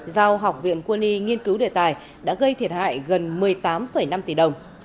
giao học viện quân y nghiên cứu đề tài đã gây thiệt hại gần một mươi tám năm tỷ đồng